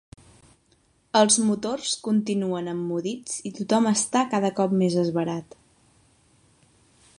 Els motors continuen emmudits i tothom està cada cop més esverat.